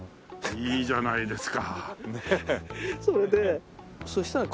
いいじゃないですか。